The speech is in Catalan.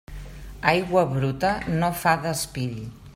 Aigua bruta no fa d'espill.